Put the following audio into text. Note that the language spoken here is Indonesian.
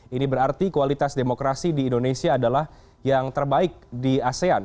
ini berarti kualitas demokrasi di indonesia adalah yang terbaik di asean